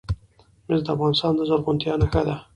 مس د افغانستان د زرغونتیا نښه ده.